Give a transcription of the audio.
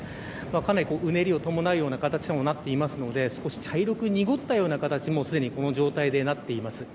かなりうねりを伴うような形にもなっているので少し茶色く濁ったような形にこの状態になっています。